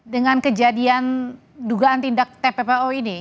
dengan kejadian dugaan tindak tppo ini